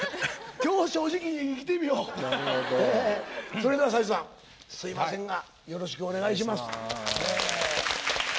それでは斉藤さんすいませんがよろしくお願いします。